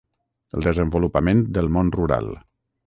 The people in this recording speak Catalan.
El desenvolupament del món rural.